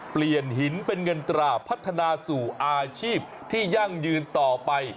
เปลี่ยนหินเป็นเงินตราพัฒนาสู่อาชีพที่ยั่งยืนต่อไป